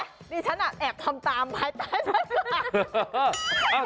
คุณรู้ไหมที่ฉันแอบทำตามปลาย